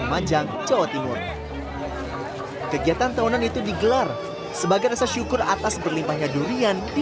lumajang jawa timur kegiatan tahunan itu digelar sebagai rasa syukur atas berlimpahnya durian di